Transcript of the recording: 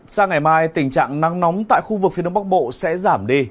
sang ngày mai tình trạng nắng nóng tại khu vực phía đông bắc bộ sẽ giảm đi